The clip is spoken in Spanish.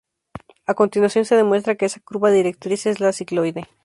A continuación se demuestra que esa curva directriz es la cicloide.